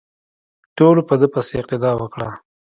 ټولو په ده پسې اقتدا وکړه.